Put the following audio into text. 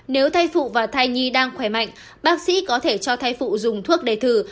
nếu thai phụ và thai nhi đang khỏe mạnh bác sĩ có thể cho thai phụ dùng thuốc đề thử